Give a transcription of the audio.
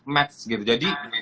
match gitu jadi